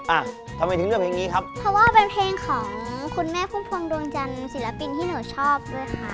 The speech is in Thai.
อ่ะทำไมถึงเลือกเพลงนี้ครับเพราะว่าเป็นเพลงของคุณแม่พุ่มพวงดวงจันทร์ศิลปินที่หนูชอบด้วยค่ะ